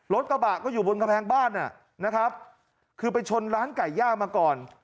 รถกระบะก็อยู่บนกำแพงบ้านนะครับคือไปชนร้านไก่ย่างมาก่อน